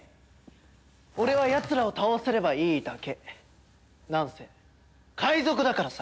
俺はやつらを倒せればいいだけ。なんせ界賊だからさ。